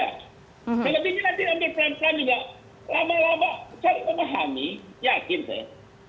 kalau begini nanti ambil perhentian juga lama lama cari pemahami yakin deh